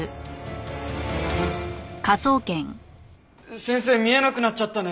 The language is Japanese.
先生見えなくなっちゃったね。